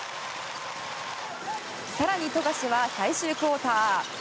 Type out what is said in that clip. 更に富樫は最終クオーター。